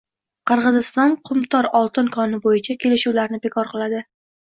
Qirg‘iziston “Qumtor” oltin koni bo‘yicha kelishuvlarni bekor qiladi